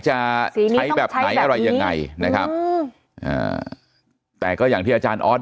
จะใช้แบบไหนอะไรยังไงนะครับอืมอ่าแต่ก็อย่างที่อาจารย์ออส